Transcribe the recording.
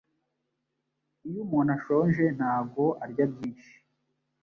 iyo umuntu ashonje ntago arya byinshi